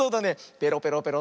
ペロペロペロ。